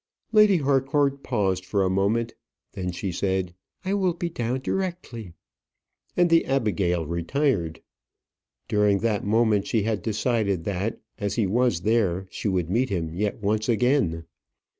Lady Harcourt paused for a moment. Then she said, "I will be down directly;" and the Abigail retired. During that moment she had decided that, as he was there, she would meet him yet once again.